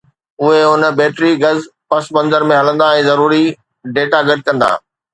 اهي ان-بيٽري گز پس منظر ۾ هلندا ۽ ضروري ڊيٽا گڏ ڪندا